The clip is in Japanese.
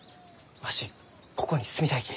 わしここに住みたいき。